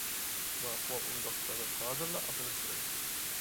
-ماقۇل، ئۇنداقتا مەن ھازىرلا ئاپىرىپ بېرەي.